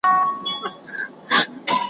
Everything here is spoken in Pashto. هم چالاکه هم غښتلی هم هوښیار وو `